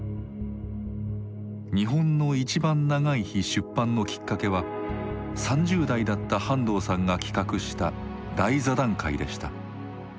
出版のきっかけは３０代だった半藤さんが企画した大座談会でした。